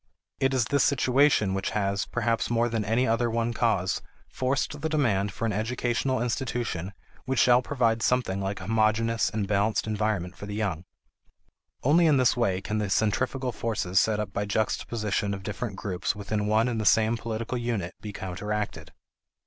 It is this situation which has, perhaps more than any other one cause, forced the demand for an educational institution which shall provide something like a homogeneous and balanced environment for the young. Only in this way can the centrifugal forces set up by juxtaposition of different groups within one and the same political unit be counteracted.